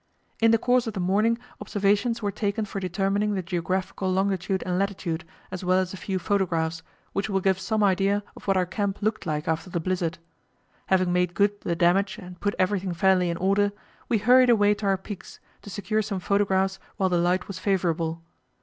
In the course of the morning observations were taken for determining the geographical longitude and latitude, as well as a few photographs, which will give some idea of what our camp looked like after the blizzard. Having made good the damage and put everything fairly in order, we hurried away to our peaks, to secure some photographs while the light was favourable.